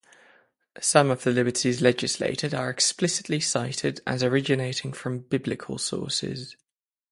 Some of the liberties legislated are explicitly cited as originating from biblical sources.